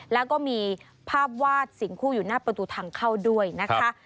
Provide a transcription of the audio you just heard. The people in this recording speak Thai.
แล้วก็มีภาพวาดสิ่งคู่อยู่หน้าประตูทางเข้าด้วยนะคะ